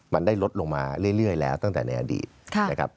มันได้ลดลงมาเรื่อยแล้วตั้งแต่ในอดีตนะครับ